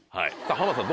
濱田さん